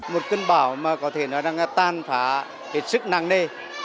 một cơn bão mà có thể nói là tan phá thiệt sức năng nê